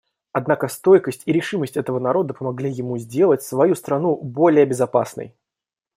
Однако стойкость и решимость этого народа помогли ему сделать свою страну более безопасной.